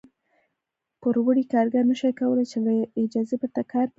پوروړي کارګر نه شوای کولای چې له اجازې پرته کار پرېږدي.